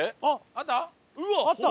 あった！